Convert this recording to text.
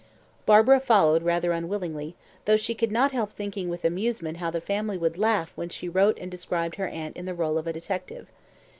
Barbara followed rather unwillingly, though she could not help thinking with amusement how the family would laugh when she wrote and described her aunt in the role of a detective.